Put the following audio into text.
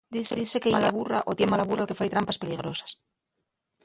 Dizse que yía mala burra o tien mala burra el que fai trampas peligrosas.